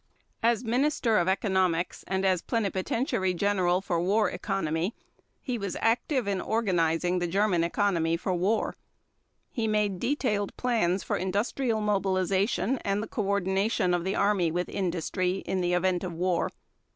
As Minister of Economics and as Plenipotentiary General for War Economy he was active in organizing the German economy for war. He made detailed plans for industrial mobilization and the coordination of the Army with industry in the event of war.